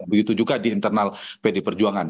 begitu juga di internal pd perjuangan